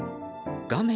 画面